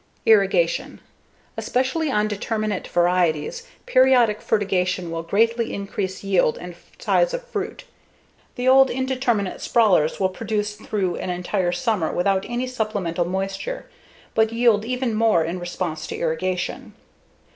Irrigation: Especially on determinate varieties, periodic fertigation will greatly increase yield and size of fruit. The old indeterminate sprawlers will produce through an entire summer without any supplemental moisture, but yield even more in response to irrigation.